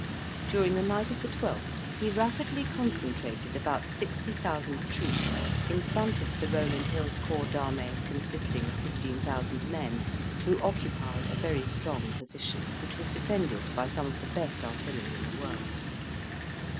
During the night of the 12th, he rapidly concentrated about sixty thousand troops in front of Sir Rowland Hill's corps d'armee, consisting of 15,000 men, who occupied a very strong position, which was defended by some of the best artillery in the world.